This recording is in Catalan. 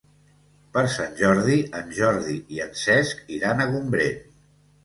Per Sant Jordi en Jordi i en Cesc iran a Gombrèn.